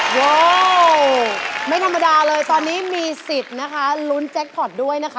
โว้ไม่ธรรมดาเลยตอนนี้มีสิทธิ์นะคะลุ้นแจ็คพอร์ตด้วยนะคะ